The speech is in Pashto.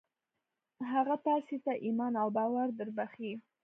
هغه تاسې ته ايمان او باور دربښي.